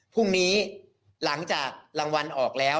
พรุ่งนี้หลังจากรางวัลออกแล้ว